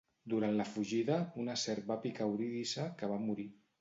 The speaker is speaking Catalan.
Durant la fugida, una serp va picar Eurídice, que va morir.